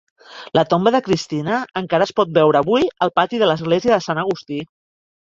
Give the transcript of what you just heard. La tomba de Christina encara es pot veure avui al pati de l'església de Sant Agustí.